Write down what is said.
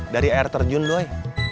dari air terjun doi